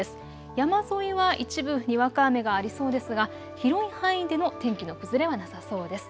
山沿いは一部にわか雨がありそうですが広い範囲での天気の崩れはなさそうです。